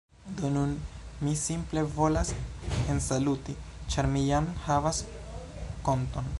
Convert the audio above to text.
Do, nun mi simple volas ensaluti ĉar mi jam havas konton